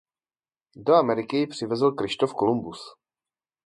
Do Ameriky ji přivezl Kryštof Kolumbus.